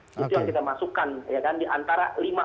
itu yang kita masukkan ya kan diantara lima